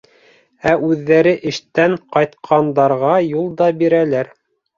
Ә үҙҙәре эштән ҡайтҡандарға юл да бирәләр.